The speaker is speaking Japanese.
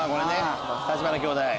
立花兄弟。